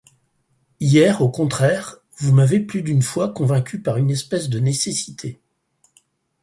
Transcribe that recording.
Hier au contraire, vous m’avez plus d’une fois convaincu par une espèce de nécessité.